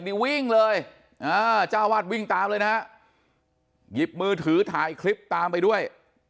นี่วิ่งเลยเจ้าวาดวิ่งตามเลยนะฮะหยิบมือถือถ่ายคลิปตามไปด้วย